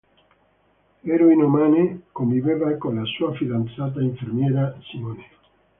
Eroinomane, conviveva con la sua fidanzata infermiera Simone.